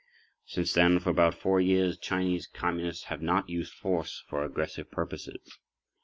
Since then, for about 4 years, Chinese Communists have not used force for aggressive purposes.